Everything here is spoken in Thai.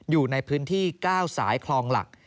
อยู่ในพื้นที่๙สายคลองหลัก